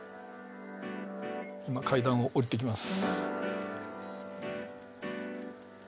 今階段を下りていきます